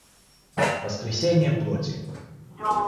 воскресение плоти